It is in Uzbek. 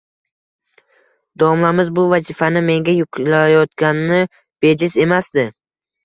Domlamiz bu vazifani menga yuklayotgani bejiz emasdi